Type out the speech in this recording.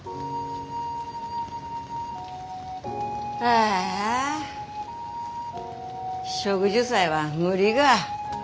ああ植樹祭は無理が。